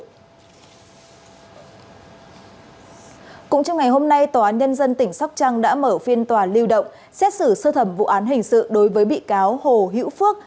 cũng trong ngày hôm nay tòa án nhân dân tỉnh sóc trăng đã mở phiên tòa lưu động xét xử sơ thẩm vụ án hình sự đối với bị cáo hồ hữu phước